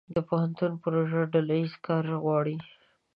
د پوهنتون پروژه ډله ییز کار غواړي.